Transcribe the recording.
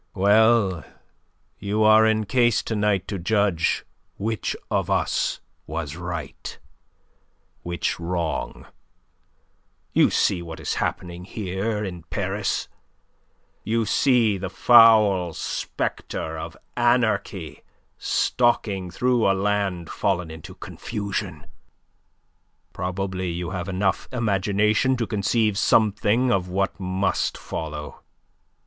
Well, you are in case to night to judge which of us was right, which wrong. You see what is happening here in Paris. You see the foul spectre of Anarchy stalking through a land fallen into confusion. Probably you have enough imagination to conceive something of what must follow.